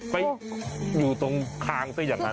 ไปอยู่ตรงคางซะอย่างนั้น